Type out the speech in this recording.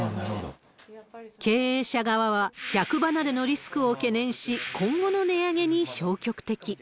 経営者側は、客離れのリスクを懸念し、今後の値上げに消極的。